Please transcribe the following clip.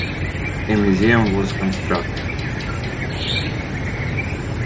A museum was constructed.